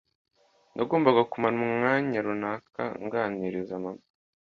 nagombaga kumara umwanya runaka nganiriza mama.